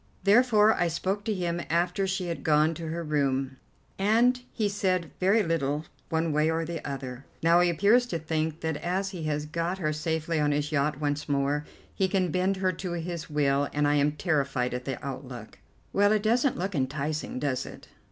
Therefore I spoke to him after she had gone to her room, and he said very little one way or the other. Now he appears to think that as he has got her safely on his yacht once more he can bend her to his will, and I am terrified at the outlook." "Well, it doesn't look enticing, does it?"